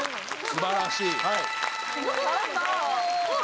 素晴らしい。